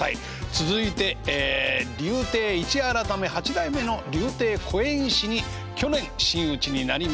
続いて柳亭市弥改め八代目の柳亭小燕枝に去年真打ちになりました。